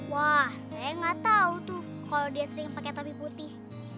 wah saya nggak tahu tuh kalau dia sering pakai topi putih